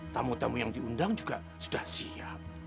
tamu tamu yang diundang juga sudah siap